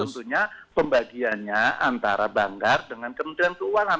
tentunya pembagiannya antara banggar dengan kementerian keuangan